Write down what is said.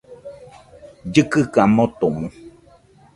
Llɨkɨka motomo